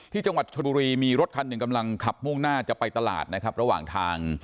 จังหวัดชนบุรีมีรถคันหนึ่งกำลังขับมุ่งหน้าจะไปตลาดนะครับระหว่างทาง